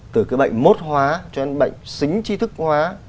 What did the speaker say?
từ cái bệnh mốt hóa cho đến bệnh xính chi thức hóa